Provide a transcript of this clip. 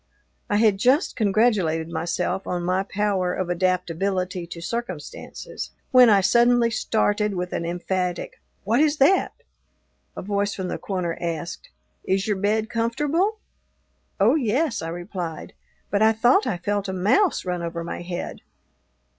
I had just congratulated myself on my power of adaptability to circumstances, when I suddenly started with an emphatic "What is that?" A voice from the corner asked, "Is your bed comfortable?" "Oh, yes," I replied, "but I thought I felt a mouse run over my head."